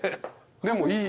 でもいい。